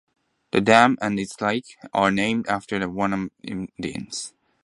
The dam, and its lake, are named after the Wanapum Indians.